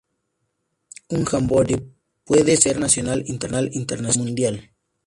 Un "jamboree" puede ser nacional, internacional o mundial.